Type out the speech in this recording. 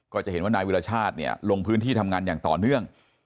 ก็จะเห็นว่านายวิรชาติเนี่ยลงพื้นที่ทำงานอย่างต่อเนื่อง